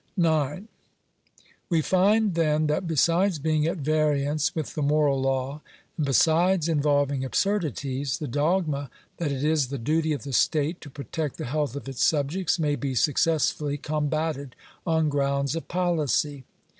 §9. We find, then, that besides being at variance with the moral law, and besides involving absurdities, the dogma that it is the duty of the state to protect the health of its subjects may be successfully combated on grounds of policy.